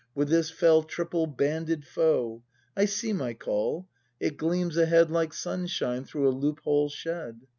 With this fell triple banded foe! I see my Call! It gleams ahead Like sunshine through a loop hole shed!